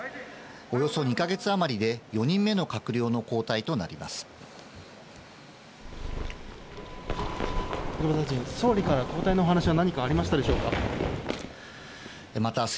およそ２か月あまりで４人目の閣僚の交代となります。